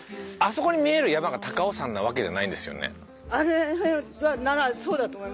あそこに見える山が高尾山なわけじゃないんですよね？